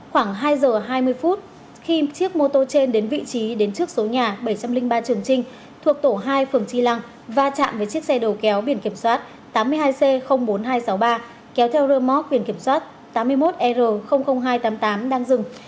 khoảng hai giờ hai mươi phút khi chiếc mô tô trên đến vị trí đến trước số nhà bảy trăm linh ba trường trinh thuộc tổ hai phường tri lăng va chạm với chiếc xe đầu kéo biển kiểm soát tám mươi hai c bốn nghìn hai trăm sáu mươi ba kéo theo rơ móc biển kiểm soát tám mươi một r hai trăm tám mươi tám đang dừng